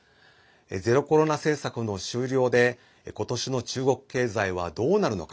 ゼロコロナ政策の終了で今年の中国経済はどうなるのか。